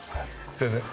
すみません。